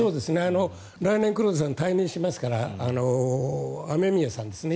来年黒田さん、退任しますから雨宮さんですね